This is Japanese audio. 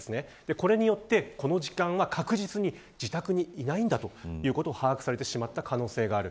これによってこの時間は確実に自宅にいないんだということを把握されてしまった可能性がある。